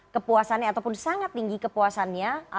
kepuasannya ataupun sangat tinggi kepuasannya